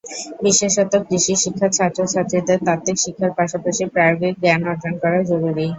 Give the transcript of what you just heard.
বিশেষত কৃষিশিক্ষার ছাত্রছাত্রীদের তাত্ত্বিক শিক্ষার পাশাপাশি প্রায়োগিক জ্ঞান অর্জন করা জরুরি।